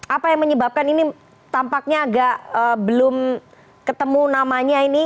apa yang menyebabkan ini tampaknya agak belum ketemu namanya ini